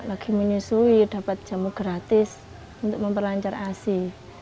lagi menyusui dapat jamu gratis untuk memperlancar asi